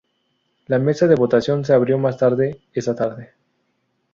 La mesa de votación se abrió más tarde esa tarde.